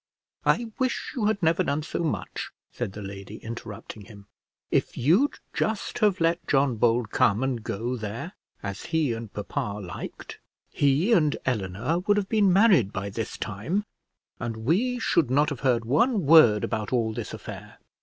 "I wish you had never done so much," said the lady, interrupting him. "If you'd just have let John Bold come and go there, as he and papa liked, he and Eleanor would have been married by this time, and we should not have heard one word about all this affair."